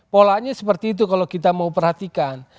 polanya seperti itu kalau kita mau perhatikan